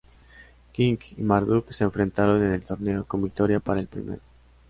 King y Marduk se enfrentaron en el torneo, con victoria para el primero.